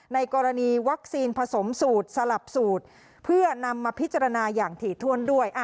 ในกรณีวัคซีนผสมสูตรสลับสูตรเพื่อนำมาพิจารณาอย่างถี่ถ้วนด้วย